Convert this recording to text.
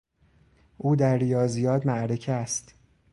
او در ریاضیات معرکه است.